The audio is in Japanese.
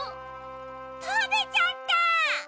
たべちゃった！